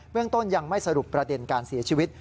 เรื่องต้นยังไม่สรุปประเด็นการเสียชีวิต